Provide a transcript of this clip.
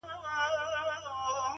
ماتيږي چي بنگړي ستا په لمن کي جنانه